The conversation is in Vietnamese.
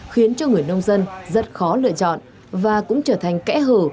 khiến cho người nông dân rất khó lựa chọn và cũng trở thành kẽ hở